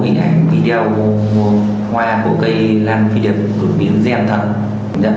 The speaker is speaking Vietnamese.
thì đeo một hoa của cây lan đột biến dèm thẳng